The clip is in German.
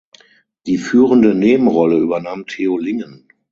Die führende Nebenrolle übernahm Theo Lingen.